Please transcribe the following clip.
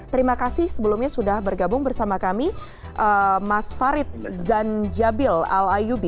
terima kasih sebelumnya sudah bergabung bersama kami mas farid zanjabil al ayubi